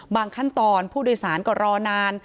ขั้นตอนผู้โดยสารก็รอนาน